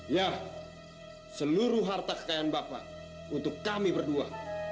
ya seluruh harta kekayaan bapak untuk kami berdua